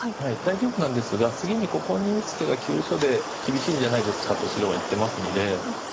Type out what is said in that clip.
大丈夫なんですが次にここに打つ手が急所で厳しいんじゃないですかと白は言ってますので。